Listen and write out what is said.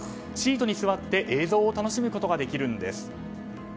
シートに座って映像を楽しむことができるんです。